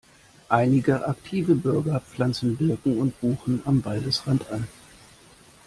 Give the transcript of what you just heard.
Einige aktive Bürger pflanzen Birken und Buchen am Waldesrand an.